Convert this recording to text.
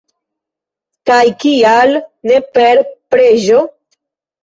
Kaj kial ne per preĝo?!